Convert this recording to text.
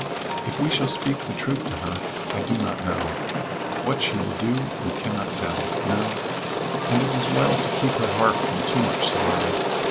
If we shall speak the truth to her I do not know. What she will do we cannot tell. No. And it is well to keep her heart from too much sorrow.